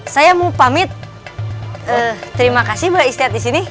saya mau pamit terima kasih mbak istirahat di sini